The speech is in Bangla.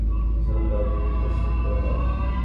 তবে তার আগে বেশ কয়েকবার অনুশীলন করে নিজেকে প্রস্তুত করে নাও।